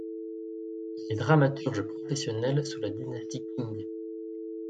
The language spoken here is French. Il est dramaturge professionnel sous la dynastie Qing.